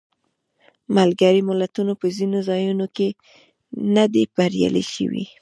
ملګري ملتونه په ځینو ځایونو کې نه دي بریالي شوي.